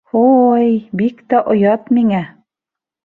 — Һо-ой, бик тә оят миңә.